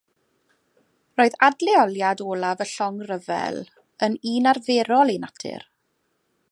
Roedd adleoliad olaf y llong ryfel yn un arferol ei natur.